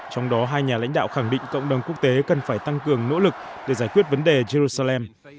trong đó hai nhà lãnh đạo khẳng định cộng đồng quốc tế cần phải tăng cường nỗ lực để giải quyết vấn đề jerusalem